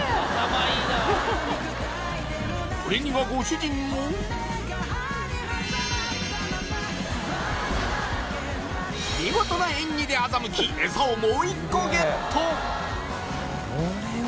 これにはご主人も見事な演技であざむきエサをもう一個ゲット